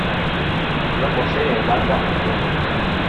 No posee barba facial.